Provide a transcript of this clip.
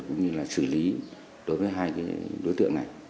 cũng như là xử lý đối với hai đối tượng này